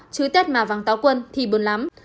nhà vắng táo quân thì buồn lắm